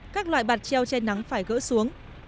các loại bạt treo che nắng phải gỡ xuống